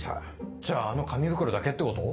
じゃああの紙袋だけってこと？